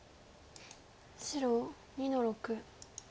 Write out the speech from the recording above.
白２の六。